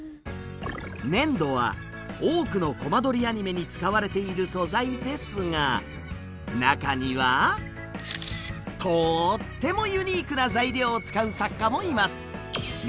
粘土は多くのコマ撮りアニメに使われている素材ですが中にはとーってもユニークな材料を使う作家もいます。